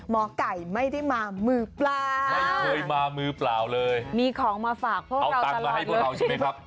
หมอไก่ไม่ได้มามือเปล่าไม่เคยมามือเปล่าเลยมีของมาฝากเพราะว่าเอาตังค์มาให้พวกเราใช่ไหมครับ